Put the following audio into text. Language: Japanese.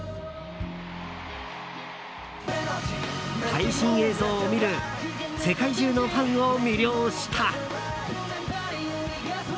配信映像を見る世界中のファンを魅了した。